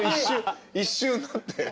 一瞬なって。